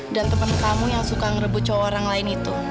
dan temen kamu yang suka ngerebut cowok orang lain itu